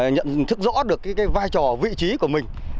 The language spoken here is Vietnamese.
nhận thức rõ được vai trò vị trí của mình